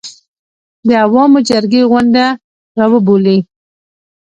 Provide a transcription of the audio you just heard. د عوامو جرګې غونډه راوبولي